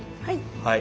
はい！